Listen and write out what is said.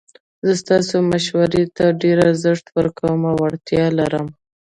زه ستاسو مشورې ته ډیر ارزښت ورکوم او اړتیا لرم